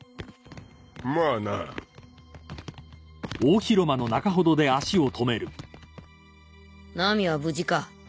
まあなナミは無事か？